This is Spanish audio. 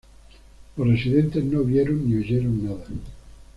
Los residentes no vieron ni oyeron nada.